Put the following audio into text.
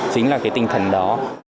chính là cái tinh thần đó